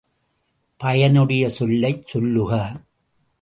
பயனுடைய சொல்லையே சொல்லுக!